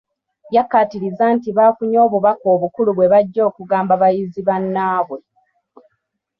Yakkaatirizza nti bafunye obubaka obukulu bwe bajja okugamba bayizi bannaabwe.